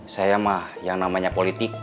saya mah yang namanya politik